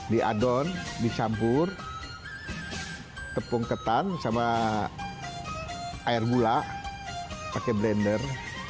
diadon dicampur tepung ketan sama air gula pakai blender